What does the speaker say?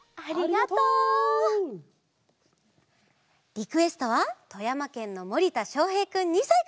リクエストはとやまけんのもりたしょうへいくん２さいから。